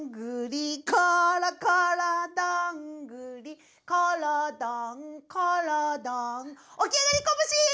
「ころころどんぐり」「ころどんころどん」「おきあがりこぼしー」